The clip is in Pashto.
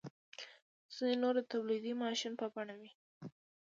ځینې نور د تولیدي ماشین په بڼه وي.